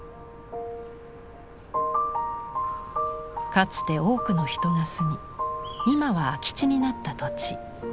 かつて多くの人が住み今は空き地になった土地。